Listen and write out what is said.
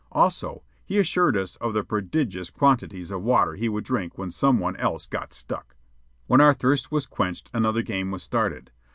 Also, he assured us of the prodigious quantities of water he would drink when some one else got stuck. When our thirst was quenched, another game was started.